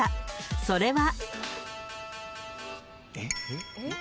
［それは］